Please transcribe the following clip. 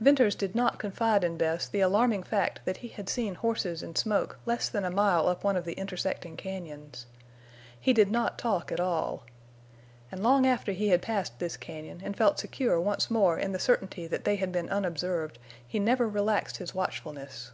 Venters did not confide in Bess the alarming fact that he had seen horses and smoke less than a mile up one of the intersecting cañons. He did not talk at all. And long after he had passed this cañon and felt secure once more in the certainty that they had been unobserved he never relaxed his watchfulness.